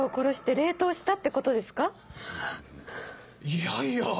いやいや！